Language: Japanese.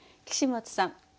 岸本さん